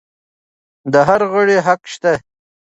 د هر غړي حق شته.